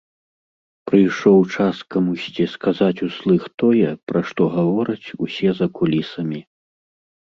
Прыйшоў час камусьці сказаць услых тое, пра што гавораць усе за кулісамі.